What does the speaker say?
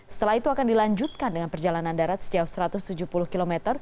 setelah itu akan dilanjutkan dengan perjalanan darat sejauh satu ratus tujuh puluh km